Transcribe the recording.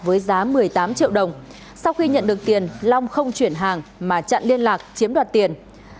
với giá một mươi tám triệu đồng sau khi nhận được tiền long không chuyển hàng mà chặn liên lạc chiếm đoạt tiền